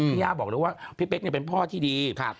ย่าบอกเลยว่าพี่เป๊กเป็นพ่อที่ดี